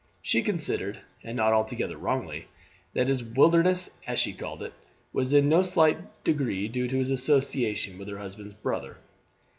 She considered, and not altogether wrongly, that his wilderness, as she called it, was in no slight degree due to his association with her husband's brother.